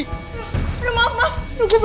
itu kayak ibu